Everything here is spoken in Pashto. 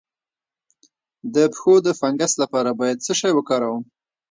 د پښو د فنګس لپاره باید څه شی وکاروم؟